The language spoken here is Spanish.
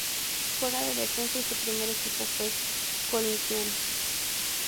Juega de defensa y su primer equipo fue Corinthians.